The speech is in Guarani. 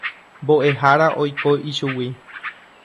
Mbo'ehára oiko ichugui.